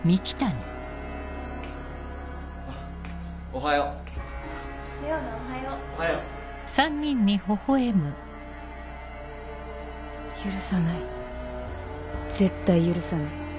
おはよう許さない絶対許さない。